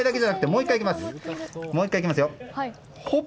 もう１回いきますよ。